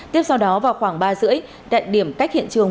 tiếp sau đó vào khoảng ba h ba mươi đại điểm cách hiện trường